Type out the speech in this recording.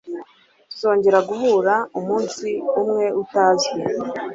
Tuzongera guhura umunsi umwe utazwi.